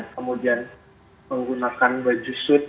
kemudian menggunakan baju suit